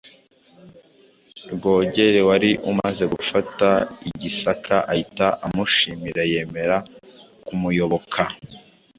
Rwogera wari umaze gufata i Gisaka ahita amushimira yemera kumuyoboka.